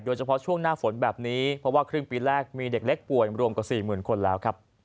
เฉพาะช่วงหน้าฝนแบบนี้เพราะว่าครึ่งปีแรกมีเด็กเล็กป่วยรวมกว่า๔๐๐๐คนแล้วครับ